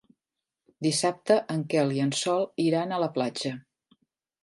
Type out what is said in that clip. Dissabte en Quel i en Sol iran a la platja.